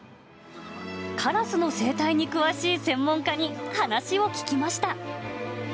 カラスの生態に詳しい専門家に話を聞きました。